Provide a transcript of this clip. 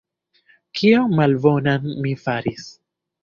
Kion malbonan mi faris?